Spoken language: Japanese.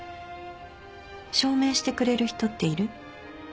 証明してくれる人っている？